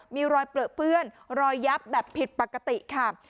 มีรอยเปลือเปื้อนรอยยับแบบผิดปกติค่ะ